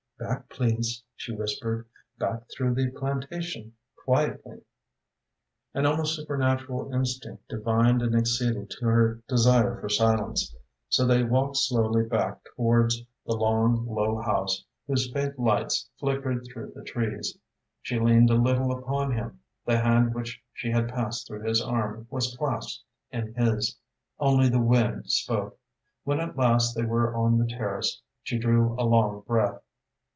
"Back, please," she whispered, "back through the plantation quietly." An almost supernatural instinct divined and acceded to her desire for silence. So they walked slowly back towards the long, low house whose faint lights flickered through the trees. She leaned a little upon him, the hand which she had passed through his arm was clasped in his. Only the wind spoke. When at last they were en the terraces she drew a long breath.